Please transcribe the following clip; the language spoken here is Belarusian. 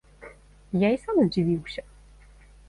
Я і сам здзівіўся.